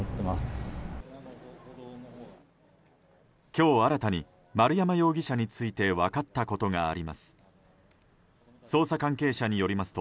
今日新たに丸山容疑者について分かったことがあります。